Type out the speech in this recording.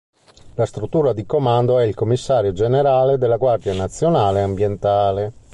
La struttura di comando è il Commissario generale della Guardia nazionale ambientale.